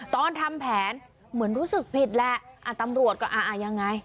ตอนทำแผนเหมือนรู้สึกผิดแหละตำรวจก็อ่าอ่ายังไง